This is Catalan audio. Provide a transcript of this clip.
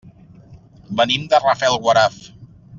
Venim de Rafelguaraf.